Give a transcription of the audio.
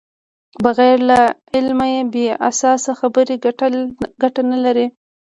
بغیر له علمه بې اساسه خبرې ګټه نلري.